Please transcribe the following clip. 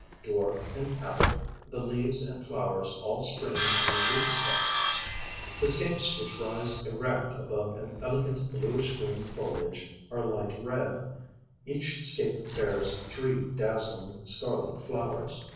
Dwarf in habit, the leaves and flowers all springing from the root stalk. "The scapes which rise erect above an elegant bluish green foliage, are light red; each scape bears three dazzling scarlet flowers.